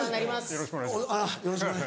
よろしくお願いします。